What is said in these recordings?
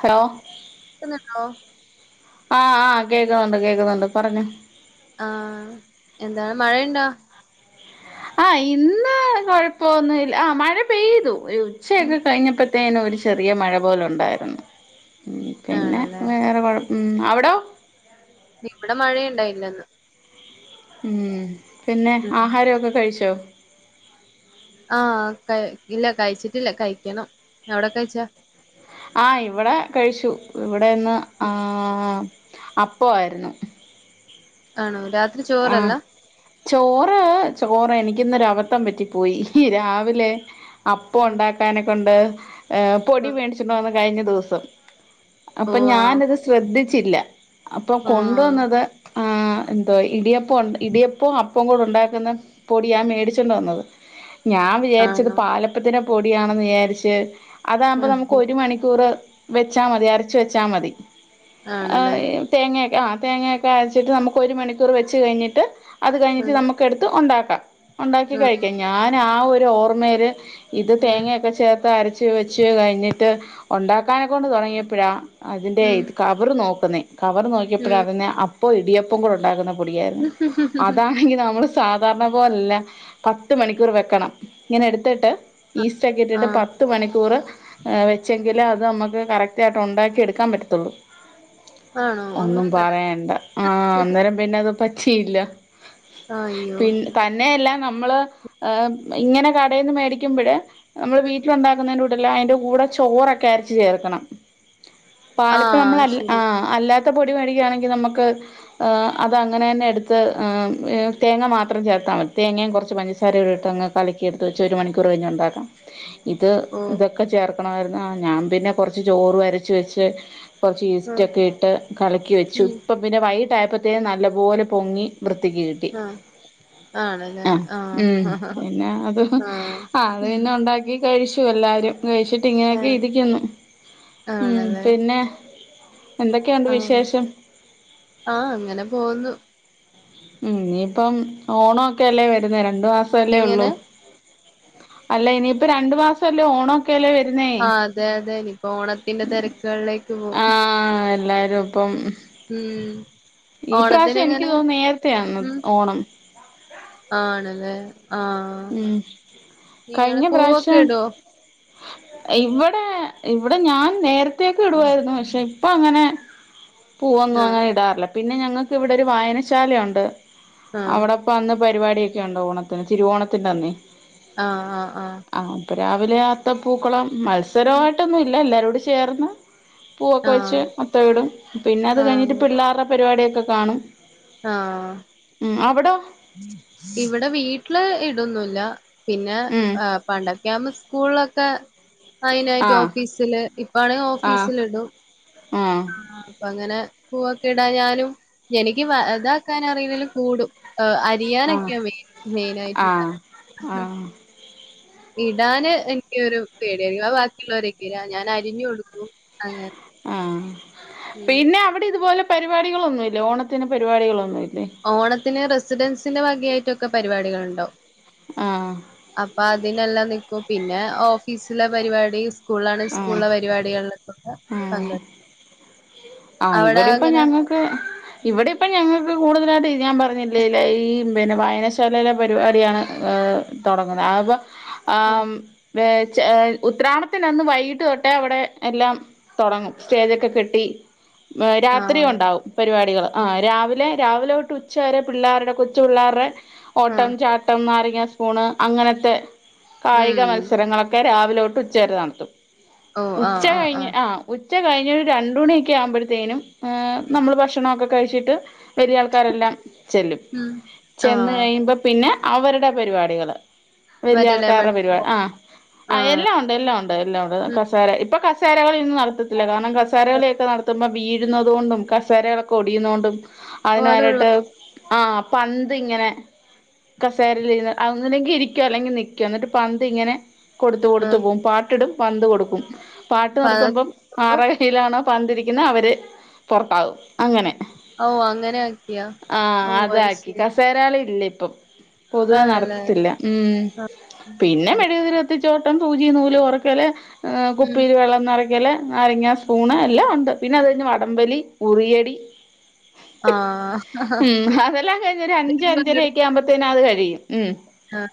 Hello ക്കുന്നുണ്ടോ ആഹ് ആഹ് കേക്കുന്നുണ്ട് കേക്കുന്നുണ്ട് പറഞ്ഞോ ആഹ് എന്താണ് മഴയിണ്ടാ ആഹ് ഇന്ന് കൊഴപ്പൊന്നുവില്ല ആഹ് മഴ പെയ്തു ഒര് ഉം ഉച്ചയൊക്കെ കഴിഞ്ഞപ്പ ത്തേന് ഒരു ചെറിയ മഴ പോലൊണ്ടാരുന്നു പിന്നെ ആണല്ലേ വേറെ കൊഴ അവ്ടോ ഇവ്ടെ മഴേയിണ്ടായില്ലിന്ന് ഉം പിന്നെ ഉം ആഹാരവൊക്കെ കഴിച്ചോ ആഹ് കെ ഇല്ല കഴിച്ചിട്ടില്ല. കഴിക്കണം. അവെടെന്താ കഴിച്ച? ആഹ് ഇവെടെ കഴിച്ചു. ഇവെടെന്ന് ഉം ആഹ് അപ്പം ആരുന്നു. കാണുവോ രാത് ആഹ് ചോറ് ചോറ് എനിക്കിന്നൊരബത്തം പറ്റിപ്പോയി. രാവിലെ അപ്പം ആഹ് ഉണ്ടാക്കേനേ കൊണ്ട് ഏഹ് പൊടി ആഹ് മേടിച്ചോണ്ട് വന്ന് കഴിഞ്ഞ ദിവസം. ഓ അപ്പ ആഹ് ഞാനത് ശ്രദ്ധിച്ചില്ല. അപ്പ ആഹ് കൊണ്ടുവന്നത് ആഹ് എന്തോ ആയി. ഇടിയപ്പ ഒ ഇടിയപ്പോം അപ്പോം കൂടെ ഒണ്ടാക്കുന്ന പൊടിയാ മേടിച്ചോണ്ട് വന്നത്. ഞാൻ വിചാരിച്ചത് ആണോ പാലപ്പത്തിന്റെ പൊടിയാണെന്ന് വിചാരിച്ച്, അതാമ്പോ നമ്മെക്ക് ഒരു മണിക്കൂറ്. വെച്ചാ മതി. അരെച്ച് വെച്ചാ മതി. ആഹ് ആണല്ലേ ഏഹ് തേങ്ങയെക്കെ ആഹ് തേങ്ങയെക്കെ അരച്ചിട്ട് നമ്മെക്ക് ഒരു മണിക്കൂറ് വെച്ച് കഴിഞ്ഞിട്ട്, അത് കഴിഞ്ഞിട്ട് ആഹ് നമ്മെക്ക്. ക്കെ എടുത്ത് ഉണ്ടാക്കാം. ഉണ്ടാക്കി ആഹ് കഴിക്കാം. ഞാൻ ആ ഒരു ഓർമ്മേല്. ഇത് ഉം തേങ്ങക്കെ ചേർത്ത് അരച്ച് വെച്ച് കഴിഞ്ഞിട്ട് ഒണ്ടാക്കാനെക്ക കൊണ്ട് തൊടങ്ങിയപ്പഴാ. അതിൻ്റെ ഉം ഇത് കവെറ് നോക്കുന്നേ. കവെറ് നോക്കിയപ്പോഴാ ഉം അറിഞ്ഞേ, അപ്പോം ഇടിയപ്പം കൂടെ ഒണ്ടാക്കുന്ന. പൊടിയാരുന്നു. അതാണെങ്കി നമ്മെള്. സാധാരണ പോലല്ല. പത്ത് മണിക്കൂറ് വെക്കണം. ഇങ്ങനെ എടുത്തിട്ട്. ഈസ്റ്റെക്കെയിട്ടിട്ട് പ ആഹ് ത്ത് മണിക്കൂറ് വെച്ചെങ്കില് അത് നമ്മെക്ക് കറക്റ്റായിട്ട് ഒണ്ടാക്കി എടുക്കാൻ പറ്റത്തൊള്ളൂ. ആണോ ഒന്നും അങ്ങനെയൊക്കെണ്ട് പറയണ്ട. ആഹ് അന്നേരം പിന്നെ അത് പറ്റിയില്ല. ആയ്യോ. പിന്നെ തന്നെയല്ല, നമ്മെള് ഇങ്ങനെ കടേന്ന് മേടിക്കുമ്പഴ്, നമ്മെള് വീട്ടിലൊണ്ടാക്കുന്നതിന്റെ കൂടെ. ല്ലേ. അയിന്റെ കൂടെ ചോറെക്കെ അരച്ച് ചേർക്കണം. പാലപ്പം നമ്മൾ ആഹ് അല്ലാ ശരി ആഹ് അല്ലാത്ത പൊടി മേടിക്കുവാണെങ്കി നമ്മെക്ക് അത് അങ്ങ അങ്ങനെ തന്നെ എടുത്ത്. ങ് ഏഹ് തേങ്ങ മാത്രം ചേർത്താൽ മതി. തേങ്ങയും കൊറെച്ച് പഞ്ചസാരയും ഇട്ടങ്ങ്. കലക്കിയെടുത്ത് വെച്ച് ഒരു മണിക്കൂറ് കഴിഞ്ഞ് ഒണ്ടാക്കാം. ഇത് ഓ ഇതൊക്കെ ചേർക്കണവാരുന്നു. ഞാൻ പിന്നെ കൊറെച്ച് ചോറും അരച്ച് വെച്ച്. കൊറെച്ച് ആഹ് ഈസ്റ്റെക്കെ ഇട്ട് കലക്കി വെച്ചു. ഉം ഇപ്പം പിന്നെ വൈയിട്ടായപ്പത്തേന് നല്ല. പോല് പൊങ്ങി. വൃത്തിക്ക് കിട്ടി ആഹ് ആണല്ലേ ആഹ് ഉം ആഹ് പിന്നെ അത് ആഹ് അത് പിന്നെ ഒണ്ടാക്കി. ഈ കഴിച്ചു എല്ലാവെര്. ഴിച്ചിട്ട് ഇങ്ങനെയെക്കെ ആഹ് ഇരിക്കുന്ന്. ഉം ആണല്ലേ പിന്നെ. എന്തൊക്കെയൊണ്ട് ആഹ് വിശേഷം? ആഹ് അങ്ങനെ പോന്നു. ഉം ഇനിയിപ്പം ഓണൊക്കെല്ലേ വരുന്നേ രണ്ടു മാസല്ലേ എങ്ങനെ ഒള്ളൂ അല്ല ഇനിയിപ്പോ രണ്ടു മാസം സല്ലേ ഓണൊക്കെല്ലേ വരുന്നേ ആഹ് അതെ അതെ ഇനിയിപ്പോ ഓണത്തിന്റെ തെരക്കുകളിലേക്ക് പോവും ആഹ് എല്ലാരും പ്പം ഉം ഈ ഓണത്തിന് പ്രാശ്യം എനിക്ക് എങ്ങനെ തോന്നുന്നു നേ രത്തേ യാന്ന് ഉം ഓണം ആണല്ലേ ആഹ് ഉം ങ്ങള് പൂവൊക്കെ ഇട്വോ ഇവടെ ഇവടെ ഞാൻ നേരത്തേക്കെ ഇടുവായിരുന്നു പക്ഷെ ഇപ്പൊ അങ്ങനെ പൂവൊന്നും ആഹ് അങ്ങനെ ഇടാറില്ല പിന്നെ ഞങ്ങക്ക് ഇവിടെ ഒരു വായനശാലയുണ്ട് ആഹ് അവിടെപ്പൊ അന്ന് പരിപാടിയൊക്കെ ഒണ്ട് ഓണത്തിന് തിരുവോണത്തിന്റെന്നേ ആഹ് ആഹ് ആഹ് ആഹ് അപ്പൊ രാവിലെ അത്ത പൂക്കളം മത്സരായിട്ടൊന്നും ഇല്ല എല്ലാരുടി ചേർന്ന് പൂവൊക്കെ വെച്ച് ആഹ് അത്ത വിടും പിന്നെ അത് ആഹ് ആഹ് കഴിഞ്ഞിട്ട് പിള്ളേരുടെ പരിപാടിയൊക്കെ കാണും ആഹ് ഉം അവിടൊ ഇവടെ വീട്ടില് ഇടൊന്നുല്ല പിന്നെ ഉം ങ് പണ്ടൊക്കെ ആകുമ്പോ സ്കൂളിലൊക്കെ അയിനായിട്ട് ആഹ് ഓഫീസില് ഇപ്പാണെങ്കി ആഹ് ഓഫീസിലിടും ആഹ് ആഹ് അപ്പങ്ങനെ പൂവൊക്കെടായാലും എനിക്ക് വാ ഇതാക്കാനറിയില്ലേലും കൂടും ങ് ആഹ് അരിയാനൊക്കെയാ മെയി മെയിനായിട്ട് ആഹ് ആഹ് ഇടാന് എനിക്കൊരു പേടിയാ [unintelligible] ബാക്കിയുള്ളൊരൊക്കെ ഞാൻ അരിഞ്ഞു കൊടുക്കും അങ്ങനെ ആഹ് ഉം പിന്നെ അവിടെ ഇതുപോലെ പരിപാടികളൊന്നുംല്ലേ ഓണത്തിന് പരിപാടികളൊന്നുംല്ലേ ഓണത്തിന് റെസിഡെൻസിന്റെ വകായിട്ടൊക്കെ പരിപാടികളുണ്ടാകും ആഹ് അപ്പ അതിനെല്ലാം നിക്കും പിന്നെ ഓഫീസിലെ പരിപാടി സ്കൂളാണേ ആഹ് സ്കൂളിലെ പരിപാടികളിലേക്കൊക്കേ ആഹ് പങ്കെടു ആഹ് അവിടെ ഇവിടിപ്പൊ അങ്ങനെ ഞങ്ങക്ക് ഇവടി കൂടുതലായിട്ട് ഞാൻ പറഞ്ഞില്ലേ ല്ലെ ഈ പിന്നെ വായനശാലയിലെ പരിപാടിയാണ് ങ് തൊടങ്ങുന്നേ അപ്പം ഉം ആം വേ ചെ ഉത്രാണത്തിന്റെ അന്ന് വൈകിട്ട് തൊട്ടെ അവിടെ എല്ലാം തൊടങ്ങും സ്റ്റേജൊക്കെ കെട്ടി ആഹ് രാത്രിയൊണ്ടാവും പരിപാടികള് ആഹ് രാവിലെ രാവിലെ തൊട്ട് ഉച്ചവരെ പിള്ളേര്ടെ കൊച്ചു പിള്ളേരുടെ ആഹ് ഓട്ടം ചാട്ടം നാരങ്ങ സ്പൂണ് അങ്ങനത്തെ കായിക ഉം മത്സരങ്ങളൊ ക്കെ രാവിലെ തൊട്ട് ഉച്ചവരെ നടത്തും ഉച്ച കഴിഞ്ഞ് ആഹ് ഉച്ച കഴിഞ്ഞ് രൂ രണ്ടു മണി ക്കെ ആവുമ്പഴത്തേനും നമ്മള് ഭക്ഷണൊക്കെ കഴിച്ചിട്ട് ചെറിയ ആൾക്കാരെല്ലാം ചെല്ലും ഉം ചെന്ന് ആഹ് കഴിയുമ്പോ പിന്നെ അവരുടെ പരിപാടികള് വലിയ മറ്റേ ലെമൺ ആൾക്കാരുടെ പരിപാടി ആഹ് ആഹ് എല്ലാം ഒണ്ട് എല്ലാം ഒണ്ട് [unintelligible] ഉം കസേര ഇപ്പൊ കസേരകളി ഇന്നും നടത്തത്തില്ല കാരണം കസാരകളിയൊക്കെ നട ത്തുമ്പോ വീഴുന്നതുകൊണ്ടും കസേരകളൊക്കെ ഒടിയുന്നോണ്ടും ഓ അത് ഒഴിവാ അതിനാരട്ട് ആഹ് പന്തിങ്ങനെ കസേരയിലിരുന്ന് അങ്ങനെങ്കി ഇരിക്കോ അല്ലെങ്കി നിൽക്കോ എന്നിട്ട് പന്തിങ്ങനെ കൊടുത്തു കൊടുത്തു ആഹ് പോകും പാട്ടിടും പന്ത് കൊടുക്കും പാട്ട് നിർത്തുമ്പം അപ്പൊ ആറേകയ്യിലാണോ പന്തിരി ക്ക്ണെ അവര് പൊറത്താവും അങ്ങനെ ഓഹ് അങ്ങനെ ആക്കിയോ ഓഹ് അയ്ശെരി തേരാളി ഇല്ല ഇപ്പം പൊതുവേ ആണല്ലേ നടത്തില്ല ഉം ആഹ് പിന്നെ മെഴുകുതിരി ത്തിച്ചോട്ടം സൂചി നൂല് കോറ്ക്കല് ഉം കുപ്പിൽ വെള്ളം നെറ ക്കല് നാരങ്ങ സ്പൂണ് എല്ലാം ഒണ്ട് പിന്നെ അത് കഴിഞ്ഞ വടംവലി ഉറിയടി ആഹ് ഉം അതെല്ലാം കഴിഞ്ഞൊരു അഞ്ച് അഞ്ചര ഒക്കെ ആവുമ്പൊ ത്തെന് അത് കഴിയും ഉം ആഹ്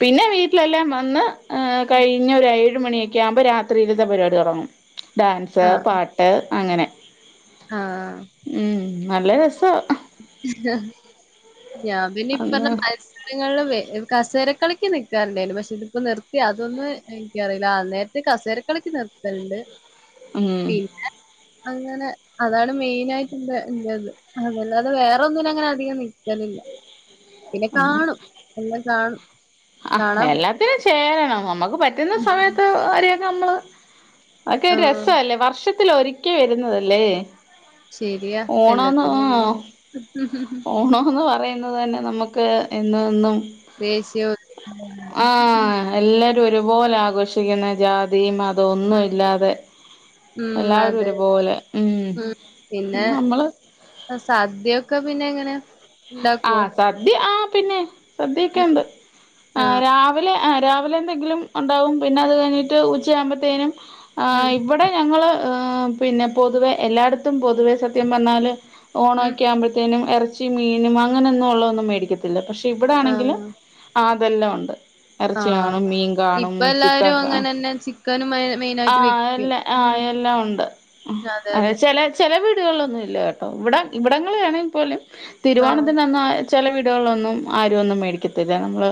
പിന്നെ വീട്ടിലെല്ലാം വന്ന് ങ് കഴിഞ്ഞ് ഒരു ഏഴ് മണിയൊക്കെ ആകുമ്പോ രാത്രീലത്തെ പരിപാടി തൊടങ്ങും ഡാൻസ് ആഹ് പാ ട്ട് അങ്ങനെ ആഹ് ഉം നല്ല രസ ഞാൻ പിന്നെ ഇപ്പ [unintelligible] ങ്ങളും കസേര കളിക്ക് നൽക്കാറുണ്ടായിരുന്നു പക്ഷെ ഇതിപ്പോ നിർത്തിയ അതൊന്നും എനിക്കറിയില്ല അന്നേ ത് കസേരക്കളിക്ക് നിർത്തൽണ്ട് ഉം പിന്നെ അങ്ങനെ അതാണ് മെയിനായിട്ട് എന്റെത് അതല്ലാതെ വേറൊന്നിനും അങ്ങനെ അധികം നി ക്കലില്ല പിന്നെ കാണും എല്ലാം കാണും ആഹ് കാണാം എല്ലാത്തിനും ചേരണം നമ്മുക്ക് പറ്റുന്ന സമയത്ത് അവരിയൊക്കെ നമ്മള് അഒക്കെ ഒരു ആഹ് രസല്ലേ വർഷത്തില് ഒരിക്കൽ വരുന്നതല്ലേ ശരിയാ ഓണോന്ന് എല്ലാത്തിനും ആഹ് വലിയ ഓണോന്ന് പറയാ ന്ന് തന്നെ നമുക്ക് എന്നു എന്നും ദേശ്യോ ഉം ആഹ് എല്ലാരും ഒരുപോലെ ആഘോഷിക്കുന്ന ജാതി മതം ഒന്നും ഇല്ലാതെ ഉം എല്ലാവരും അതെ ഒരുപോലെ ഉം നമ്മള് സാദ്യയൊക്കെ പിന്നെ എങ്ങനെ ഇണ്ടാക്കുവോ ആഹ് സദ്യ ആഹ് പിന്നെ സദ്യൊക്കെ ഉം ഉണ്ട് ആഹ് രാ വിലെ ആഹ് രാവിലെ എന്തെങ്കിലും ഉണ്ടാവും പിന്നെ അത് കഴിഞ്ഞിട്ട് ഉച്ച ആവുമ്പത്തേനും ഉം ആഹ് ഇവിടെ ഞങ്ങള് എഹ് പിന്നെ പൊതുവെ എല്ലായിടത്തും പൊതുവെ സത്യം പറഞ്ഞാല് ഉം ഓണോക്കെയാഉമ്പൾത്തേനും ഇറച്ചി മീനും അങ്ങനെയൊന്നും ഉള്ളതന്നും മേടിക്കത് ത്തില്ല പക്ഷെ ഇവിടെ ആണെങ്കിലും ആഹ് അതെല്ലാം ഉണ്ട് ഇറച്ചി ആഹ് കാണും മീൻ കാണും ഇപ്പ എല്ലാരും ചിക്കൻ അങ്ങനെന്നെ ചിക്കനും മെ മെയിനായിട്ട് ആഹ് വെക്കും എല്ലേ ഉം ആഹ് എല്ലാം ഉണ്ട് അതെ ചെലേ ചെലെ വീടുകൾളൊന്നും ഇല്ല കേട്ടോ ഇവിട ഇവിടങ്ങള ആണെ പോലും ആഹ് തിരുവോണത്തിനന്ന് ചെലെ വീടുകൾലൊന്നും ആരും ഒന്നും മേടിക്കത്തില്ല നമ്മള്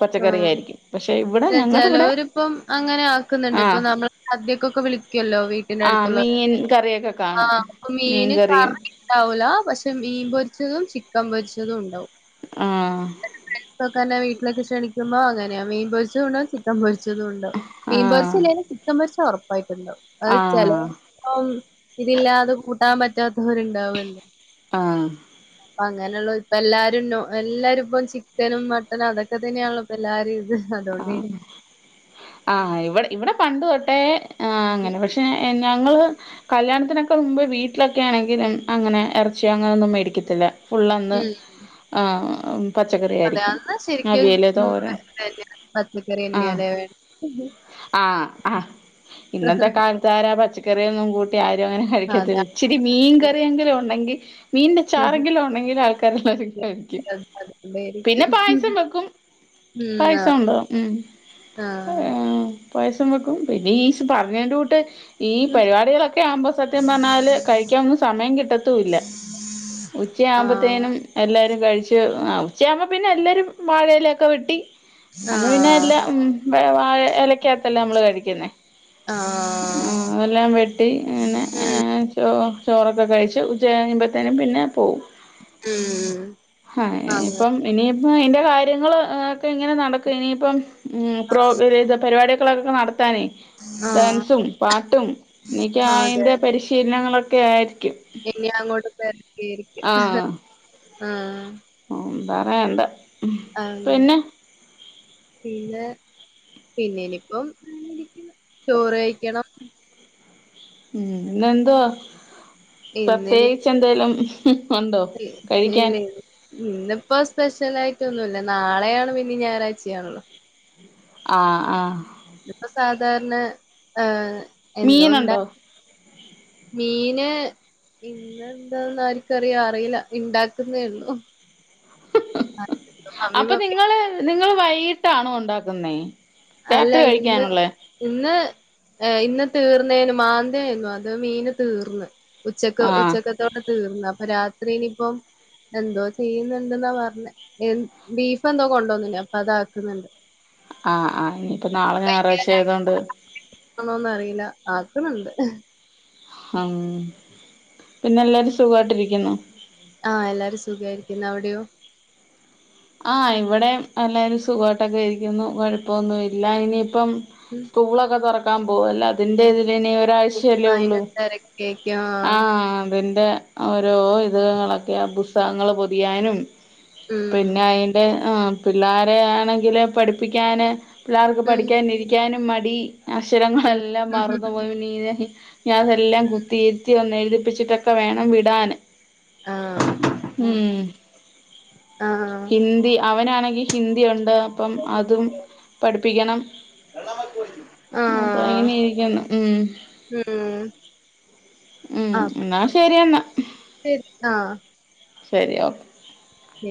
പച്ചക്കറി ആയിരിക്കും പക്ഷെ ഇവിടെ ആഹ് ഞങ്ങടെ ഇവിടെ ചെലോരിപ്പം അങ്ങനെ ആക്കുന്നുണ്ട് ഇപ്പൊ ആഹ് നമ്മൾ സദ്യക്കൊക്കെ വിളിക്ക്യോല്ലോ വീട്ടിന്റെ ആഹ് അടുത്തുള്ളടെ മീൻ കറിയൊക്കെ കാണും ആഹ് അപ്പൊ മീന് മീൻകറിയും കറി ണ്ടാവൂല പക്ഷെ മീൻ പൊരിച്ചതും ചിക്കൻ പൊരിച്ചതും ഉണ്ടാവും ആഹ് ഫ്രെണ്ട്സ് ഒക്കെ എന്നെ [inaudible] വീട്ടിലൊക്കെ ക്ഷണിക്കുമ്പോ അങ്ങനെയാ മീൻ പൊരിച്ച ഉണ്ടാവും ച്ചി ക്കൻ പൊരിച്ചതും ഉണ്ടാവും മീൻ പൊരിച്ച ആഹ് ഇല്ലേലും ചിക്കൻ പൊരിച്ച ഉറപ്പായിട്ടും ഉണ്ടാവും അത് ചെലേ ആഹ് പ്പം ഇതില്ലാതെ കൂട്ടാൻ പറ്റാത്തവരുണ്ടാവൊല്ലോ അഹ് ആഹ് പ്പങ്ങനെള്ളോൽ ഇപ്പ എല്ലാരും നൊ എല്ലാരും ഇപ്പ ചിക്കനും മട്ടനും അതൊ ഒക്കെ തന്നെയാണോപ്പൊ എല്ലാവാരും ഇത് ആഹ് അതുകൊണ്ടേരിക്കും ആഹ് ഇവടെ ഇവടെ പണ്ട് തൊട്ടെ ആഹ് ഉം അങ്ങനെ പക്ഷ് ഏഹ് ഞങ്ങള് ഉം കല്യാണത്തിനൊക്കെ മുമ്പ് വീ ട്ടിലൊക്കെ ആണെങ്കി അങ്ങനെ ഇറച്ചിയോ അങ്ങനൊന്നും മേടിക്കത്തില്ല ഫുള്ളന്ന് ഉം ആഹ് പച്ചക്കറി അതെ ആയിരിക്കും അവിയല് തോരൻ ആഹ് പച്ചക്കറിന്ന്യാലേ [inaudible] ആഹ് ആഹ് ഇന്നത്തെ കാലത്ത് ആരാ പച്ചക്കറിയൊന്നും കൂട്ടി ആരും അങ്ങനെ കഴിക്കത്തില് അതാ ഇച്ചിരി മീൻ കറിയെങ്കിലും ഉണ്ടെങ്കിൽ മീന്റെ ചാറെങ്കിലും ഉണ്ടെങ്കിൽ ആൾക്കാരെല്ലായിരിക്കും കഴിക്കും പിന്നെ അതുകൊണ്ടായിരിക്കും പായസം വെക്കും ഉം പായസം ആഹ് ഉണ്ടാവും ഉം ആഹ് പായസം വെക്കും പിന്നെ ഈ പറഞ്ഞേന്റെ കൂട്ട് ഈ ഉം പരിപാടികളൊക്കെ ആവുമ്പോ സത്യം പറഞ്ഞാല് കഴിക്കാൻ ഒന്നും സമയം കിട്ടത്തുല്ല ഉച്ച ആഹ് ആഉമ്പത്തേനും എല്ലാരും കഴിച്ച് ഉച്ചയാവുമ്പോ പിന്നെ എല്ലാരും വാഴയിലൊക്കെ വെട്ടി അന്ന് പിന്നെ ആഹ് എല്ലാം ഉം വാഴ എല ക്കാത്തല്ലേ നമ്മൾ കഴിക്കുന്നേ ആഹ് അതെല്ലാം വെട്ടി അങ്ങനെ ആ ഉം ഹ് ചോ ചോറൊക്കെ കഴിച്ച് ഉച്ച കഴിയുമ്പത്തേനും പിന്നെ പോകും ഉം ആഹ് അങ്ങ ഇപ്പം അഹ് ഇനിയിപ്പോ ഇന്റെ കാര്യങ്ങൾ ഒക്കെ ഇങ്ങനെ നടക്കും ഇനിയിപ്പം പ്രോഗ്ര പരിപാടി കളൊക്കെ നടത്താനേ ആഹ് ഡാൻസും പാട്ടും എനിക്ക് അതെ അതിന്റെ പരിശീലനങ്ങളൊക്കെ ആയി ഇനി അങ്ങോട്ട് പ്രതേകിച്ചും ആഹ് എന്താ പറയാ എന്താ [unintelligible] ആഹ് പിന്നെ പിന്നെ ഇനിയിപ്പം ചോറ് കഴിക്കണം ഉം ഇന്നെന്തുവാ ഇന്നിനി പ്രത്യേകിച്ച് എന്തേലും ഉണ്ടോ കഴിക്കാൻ ഇല്ല ഇന്നിപ്പോ സ്പെഷ്യലായിട്ടു ഒന്നുമില്ല നാളെയാണ് പിന്നെ ഞായറാഴ്ചയാണല്ലോ ആ ഹ് ആഹ് ഇന്ന് സാധാരണ അഹ് എന്നും മീനുണ്ടോ ഉണ്ടാക്കുന്ന മീന് ഇന്നെന്താന്ന് ആർക്കും അറിയാം അറിയില്ല ഉണ്ടാക്കുന്നേ ഉള്ളു മമ്മി അപ്പൊ പപ്പ നിങ്ങള് നിങ്ങള് വൈകിട്ടാണോ ഉണ്ടാക്കുന്നേ അല്ല രാത്രി ഇന്ന് കഴിക്കാനുള്ളേ ഇന്ന് ഇന്ന് തീർന്നേന് മാന്തായിരുന്നു അത് മീന് തീർന്ന് ഉച്ചക്ക് ആ ഉച്ചക്കത്തോടെ തീർന്ന് അപ്പൊ രാത്രിനി ഇപ്പം എന്തോ ചെയ്യുന്നുണ്ടെന്ന പറഞ്ഞെ ബീഫ് എന്തോ കൊണ്ടോനീന്നു അപ്പൊ അത് ആക്കുന്നുണ്ട് ആഹ് ആഹ് ഇനിയിപ്പോ നാളെ ഞായറാഴ്ച ആയതോണ്ട് ആണോന്നറിയില്ല ആക്കണുണ്ട് അഹ് പിന്നെ എല്ലാരും സുഖമായിട്ടിരിക്കുന്നോ ആഹ് എല്ലാരും സുഖായിരിക്കുന്നു അവിടെയോ ആഹ് ഇവിടെ എല്ലരും സുഖമായിട്ടൊ ക്കെ ഇരിക്കുന്നു കുഴപ്പമൊന്നും ഇല്ല ഇനിയിപ്പം ഉം സ്കൂളൊക്കെ തുറക്കാൻ പോകല്ലേ അതിന്റെതിൽ ഇ ഇനിപ്പ ഒരാഴ്ചയുള്ളു അയിന്റെ തെരക്കേക്കും ആഹ് അതിന്റെ ഓരോ ഇതോളൊക്കെയാ പുസ്തകങ്ങൾ പൊതിയാനും ഉം പിന്നെ അതിൻ്റെ അഹ് പിള്ളേരെ ആണെങ്കിൽ പഠിപ്പിക്കാൻ പിള്ളേർക്ക് ഉം പഠിക്കാൻ ഇരി ഇരിക്കാനും മടി അക്ഷരങ്ങളെല്ലാം മാറുന്നു പോ ഇ ഇനി അതെല്ലാം കുത്തിയിരുത്തി ഒന്ന് എഴുതിപ്പിച്ചിട്ടൊക്കെ വേണം വിടാന് ആഹ് ഉം ആഹ് ഹിന്ദി അവനാണെങ്കിൽ ഹിന്ദിണ്ട് അപ്പം അതും പഠിപ്പിക്കണം അപ്പൊ ഇ ആഹ് ങ്ങനെയിരിക്കുന്നു ഉം ഉം ഉം ആഹ് എന്നാൽ ശരിയെന്ന ശരി ആഹ് ശരി ഓക്കെ ഉം